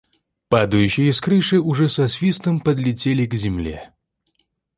Падающие с крыши уже со свистом подлетали к земле.